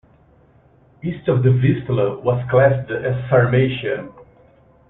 East of the Vistula was classed as Sarmatia.